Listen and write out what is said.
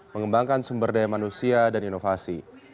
mengembangkan sumber daya manusia dan inovasi